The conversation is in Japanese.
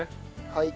はい。